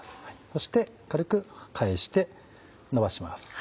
そして軽く返して伸ばします。